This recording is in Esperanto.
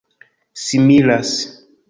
similas